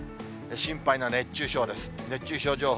心配な熱中症です。